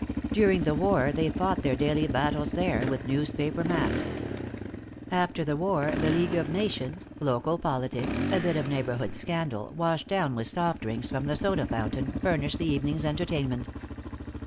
During the war they fought their daily battles there, with newspaper maps. After the war the League of Nations, local politics, a bit of neighborhood scandal, washed down with soft drinks from the soda fountain, furnished the evening's entertainment.